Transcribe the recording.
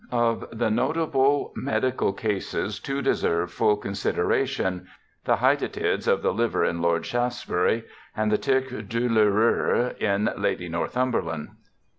I. Of the notable medical cases two deserve full consideration, the hydatids of the Hver in Lord Shaftes bury, and tic douloureux in Lady Northumberland.